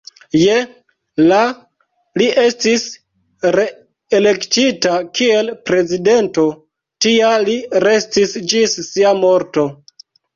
Je la li estis reelektita kiel prezidento; tia li restis ĝis sia morto.